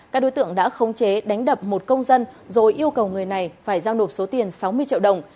các đối tượng đã khống chế đánh đập một công dân rồi yêu cầu người này phải giao nộp số tiền sáu mươi triệu đồng